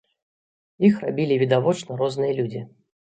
Іх рабілі відавочна розныя людзі.